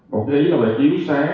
đã sử dụng mạch lướt sông sài gòn